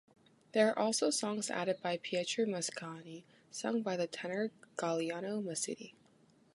There are also songs added by Pietro Mascagni, sung by the tenor Galliano Masini.